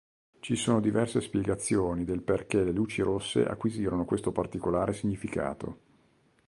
Ci sono diverse spiegazioni del perché le luci rosse acquisirono questo particolare significato.